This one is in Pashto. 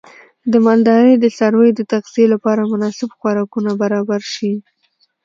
د مالدارۍ د څارویو د تغذیې لپاره مناسب خوراکونه برابر شي.